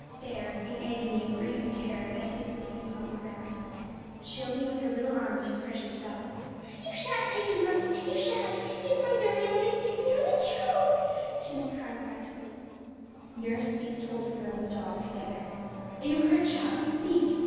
There, in agony of grief and terror, Betty was sitting upon the ground, shielding with her little arms her precious dog. 'You shan't take him from me, you shan't; he's my very own, and he's nearly killed!' she was crying frantically. Nurse seized hold of her and the dog together. 'Are you hurt, child? Speak!